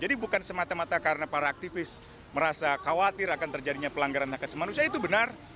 jadi bukan semata mata karena para aktivis merasa khawatir akan terjadinya pelanggaran hak asli manusia itu benar